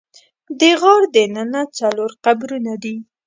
د غار دننه څلور قبرونه دي.